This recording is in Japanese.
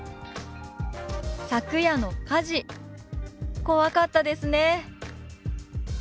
「昨夜の火事怖かったですね」。